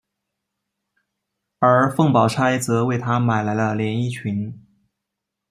而凤宝钗则为他买来了连衣裙。